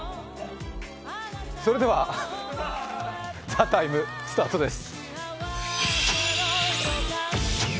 それでは「ＴＨＥＴＩＭＥ，」スタートです。